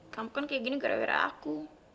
kamu kan kayak gini gara gara aku